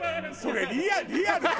リアルか？